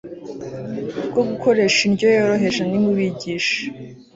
bwo gukoresha indyo yoroheje Nimubigishe